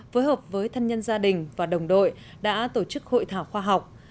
phối hợp với thân nhân gia đình và đồng đội đã tổ chức hội thảo khoa học